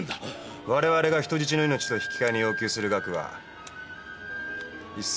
我々が人質の命と引き換えに要求する額は１，０００万だ。